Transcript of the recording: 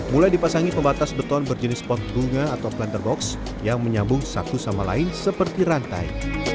mulai dipasangi pembatas beton berjenis pot bunga atau planter box yang menyambung satu sama lain seperti rantai